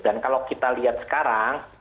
dan kalau kita lihat sekarang